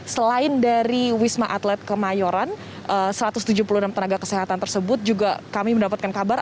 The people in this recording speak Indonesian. selain dari wisma atlet kemayoran satu ratus tujuh puluh enam tenaga kesehatan tersebut juga kami mendapatkan kabar